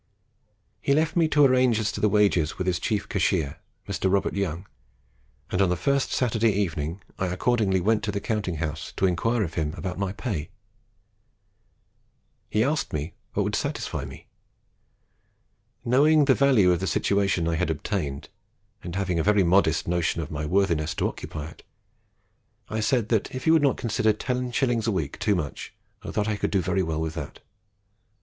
He left me to arrange as to wages with his chief cashier, Mr. Robert Young, and on the first Saturday evening I accordingly went to the counting house to enquire of him about my pay. He asked me what would satisfy me. Knowing the value of the situation I had obtained, and having a very modest notion of my worthiness to occupy it, I said, that if he would not consider 10s. a week too much, I thought I could do very well with that.